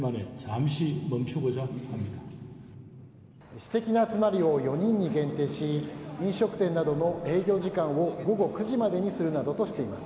私的な集まりを４人に限定し飲食店などの営業時間を午後９時までにするとしています。